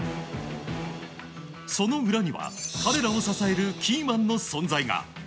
その裏には、彼らを支えるキーマンの存在が。